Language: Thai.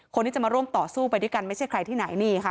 คนที่จะมาร่วมต่อสู้ไปด้วยกันไม่ใช่ใครที่ไหนนี่ค่ะ